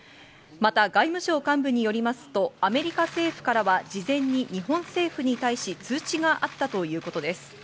また、外務省幹部によりますと、アメリカ政府からは事前に日本政府に対し、通知があったということです。